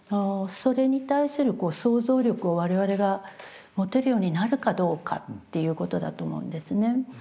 それに対する想像力を我々が持てるようになるかどうかっていうことだと思うんですね。